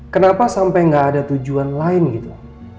kenapa sampai nggak ada tujuan lain gitu